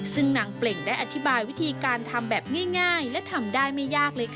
ซึ่งนางเปล่งได้อธิบายวิธีการทำแบบง่ายและทำได้ไม่ยากเลยค่ะ